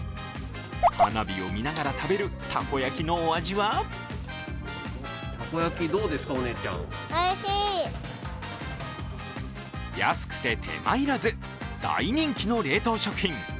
花火を見ながら食べるたこ焼きのお味は安くて手間要らず、大人気の冷凍食品。